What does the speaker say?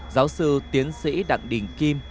giáo sư tiến sĩ đặng đình kim